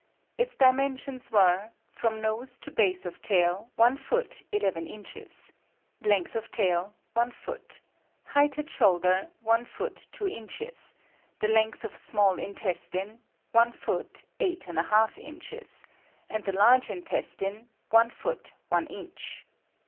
Its dimensions were: from nose to base of tail, 1 foot 11 inches; length of tail, 1 foot; height at shoulder, 1 foot 2 inches; the length of small intestine, 1 foot 8½ inches; and the large intestine, 1 foot 1 inch."